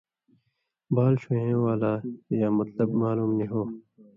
بال ݜُون٘وَیں والاں کریا طلب معلوم نی ہو